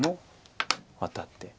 ワタって。